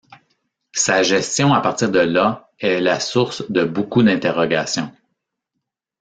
Sa gestion à partir de là est la source de beaucoup d'interrogations.